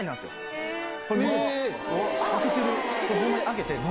開けてる！